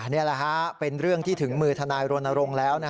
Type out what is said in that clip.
นี่แหละฮะเป็นเรื่องที่ถึงมือทนายรณรงค์แล้ว